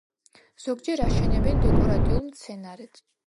ზოგჯერ აშენებენ დეკორატიულ მცენარედ.